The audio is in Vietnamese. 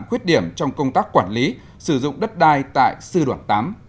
khuyết điểm trong công tác quản lý sử dụng đất đai tại sư đoàn tám